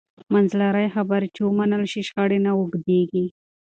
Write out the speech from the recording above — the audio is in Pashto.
منځلارې خبرې چې ومنل شي، شخړې نه اوږدېږي.